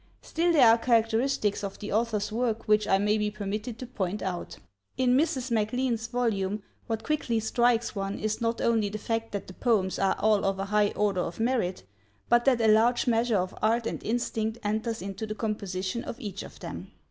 Still, there are characteristics of the author's work which I may be permitted to point out. In Mrs. MacLean's volume what quickly strikes one is not only the fact that the poems are all of a high order of merit, but that a large measure of art and instinct enters into the composition of each of them.